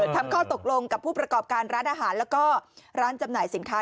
ข้อตกลงกับผู้ประกอบการร้านอาหารแล้วก็ร้านจำหน่ายสินค้า